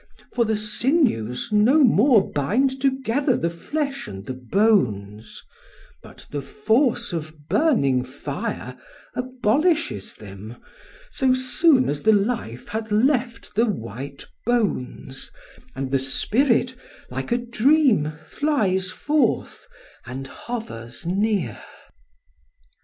For the sinews no more bind together the flesh and the bones, but the force of burning fire abolishes them, so soon as the life hath left the white bones, and the spirit like a dream flies forth and hovers near.'"